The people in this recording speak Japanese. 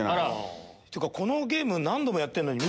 このゲーム何度もやってるのに。